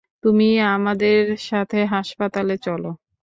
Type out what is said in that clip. তুমি আমাদের সাথে হাসপাতালে চলো!